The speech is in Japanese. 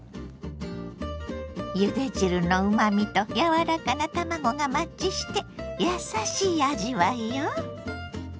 ゆで汁のうまみと柔らかな卵がマッチして優しい味わいよ。